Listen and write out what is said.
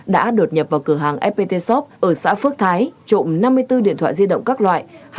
đã đột nhập vào cửa hàng fpt shop ở xã phước thái trộm năm mươi bốn điện thoại di động các loại